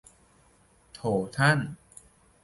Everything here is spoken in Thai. โถ ท่าน